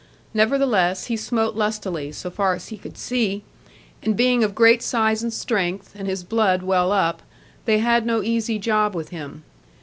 Nevertheless, he smote lustily, so far as he could see; and being of great size and strength, and his blood well up, they had no easy job with him.